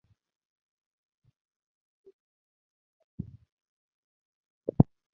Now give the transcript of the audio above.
Hee kelɛlɛw sug ɓɔ.